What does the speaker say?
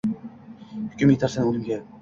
Hukm etarsan o’limga.